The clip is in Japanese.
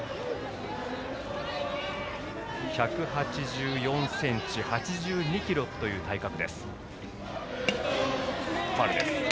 １８４ｃｍ、８２ｋｇという体格。